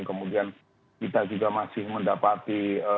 kemudian kita juga masih mendapati